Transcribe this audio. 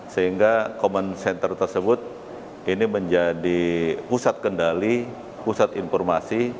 sehingga common center tersebut ini menjadi pusat kendali pusat informasi